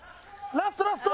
ラストラスト！